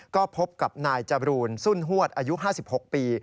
ก็พบกับนายจบรูนซุ่นฮวดอายุ๕๖ปี